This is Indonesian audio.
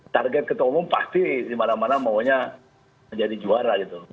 target ketua umum pasti dimana mana maunya menjadi juara gitu